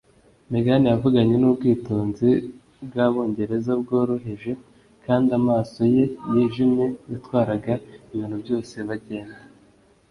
Megan yavuganye n'ubwitonzi bw'Abongereza bworoheje, kandi amaso ye yijimye yatwaraga ibintu byose bagenda.